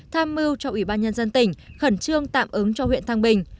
tham mưu cho ủy ban nhân dân tỉnh khẩn trương tạm ứng cho huyện thăng bình